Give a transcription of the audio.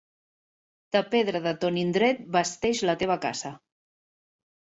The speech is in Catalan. De pedra de ton indret basteix la teva casa.